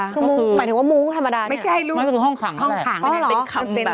คือหมายถึงว่ามุ้งธรรมดาเนี่ยไม่ใช่ลูกมันก็คือห้องขังน่ะแหละ